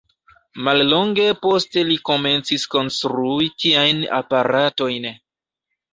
Mallonge poste li komencis konstrui tiajn aparatojn.